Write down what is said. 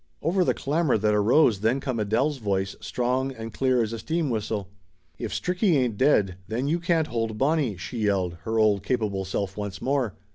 Over the clamor that arose then come Adele's voice, strong and clear as a steam whistle. "If Stricky ain't dead, then you can't hold Bonnie !" she yelled, her old capable self once more.